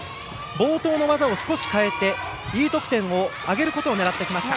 冒頭の技を少し変えてＥ得点を上げることを狙ってきました。